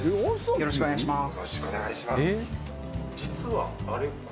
よろしくお願いします